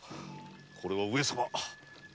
これは上様。